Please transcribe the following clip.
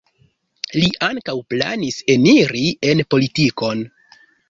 Li ankaŭ planis eniri en politikon.